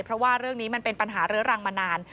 เพราะว่าเรื่องนี้มันเป็นปัญหาเรื้อรังมานาน